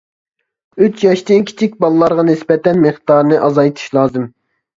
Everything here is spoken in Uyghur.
ئۈچ ياشتىن كىچىك بالىلارغا نىسبەتەن مىقدارىنى ئازايتىش لازىم.